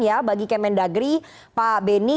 ya bagi kmn dagri pak beni